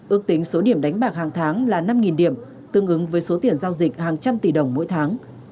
ước tính số điểm đánh bạc hàng tháng là năm điểm tương ứng với số tiền giao dịch hàng trăm tỷ đồng mỗi tháng